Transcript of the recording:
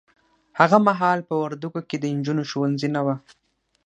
هغه محال په وردګو کې د نجونو ښونځي نه وه